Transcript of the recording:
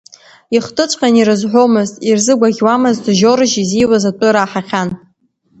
Ихтыҵәҟьан ирызҳәомызт, ирзыӷәаӷьуамызт Жьоржь изиуз атәы раҳахьан.